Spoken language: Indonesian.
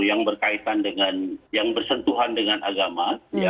yang berkaitan dengan yang bersentuhan dengan agama